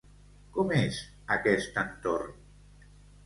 Com és, aquest entorn?